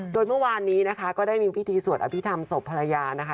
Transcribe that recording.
โดยเมื่อวานนี้นะคะก็ได้มีพิธีสวดอภิษฐรรมศพภรรยานะคะ